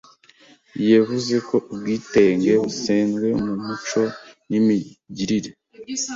yevuze ko ubwitenge busenzwe mu muco n’imigirire